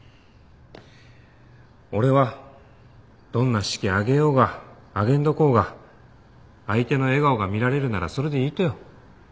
俺はどんな式挙げようが挙げんどこうが相手の笑顔が見られるならそれでいいとよ。